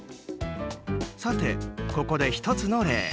さて、ここで１つの例。